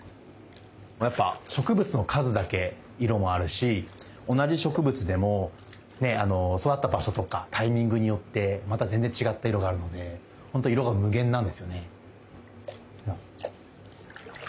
やっぱ植物の数だけ色もあるし同じ植物でもね育った場所とかタイミングによってまた全然違った色があるのでほんと色が無限なんですよね。